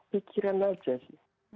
pikiran saja sih